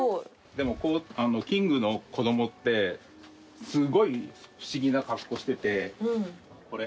でもキングの子供ってすごい不思議な格好しててこれ。